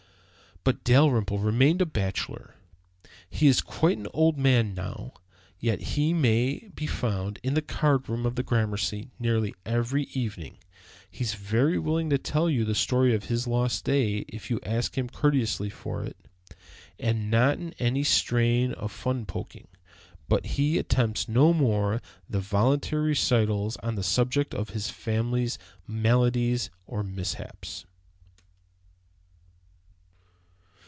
But Dalrymple remained a bachelor. He is quite an old man now, yet he may be found in the card room of the Gramercy nearly every evening. He is very willing to tell you the story of his "lost day" if you ask him courteously for it, and not in any strain of fun poking; but he attempts no more voluntary recitals on the subject of his "family's" maladies or mishaps.